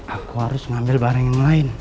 aku harus ngambil barang yang lain